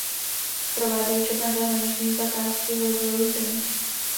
Prováděl četné zahraniční zakázky v rozvojových zemích.